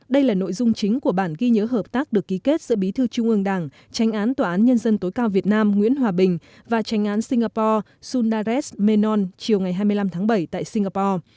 đây là nội dung chính của bản ghi nhớ hợp tác được ký kết giữa bí thư trung ương đảng tranh án tòa án nhân dân tối cao việt nam nguyễn hòa bình và tranh án singapore mênon chiều ngày hai mươi năm tháng bảy tại singapore